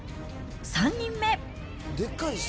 ３人目。